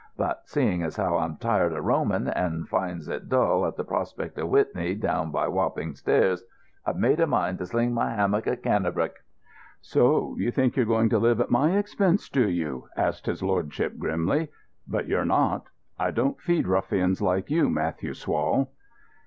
But seeing as how I'm tired of roaming, and finds it dull at the Prospect of Whitby down by Wapping Stairs, I've a mind to sling my hammock in Cannebrake." "So you think you're going to live at my expense, do you?" asked his lordship grimly. "But you're not. I don't feed ruffians like you, Matthew Swall."